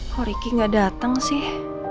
kok riki gak datang sih